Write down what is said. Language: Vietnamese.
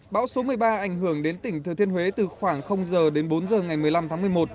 bão số một mươi ba ảnh hưởng đến tỉnh thừa thiên huế từ khoảng giờ đến bốn giờ ngày một mươi năm tháng một mươi một